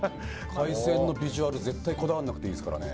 海鮮のビジュアル、絶対こだわんなくていいですからね。